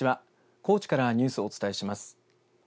高知からニュースをお伝えします。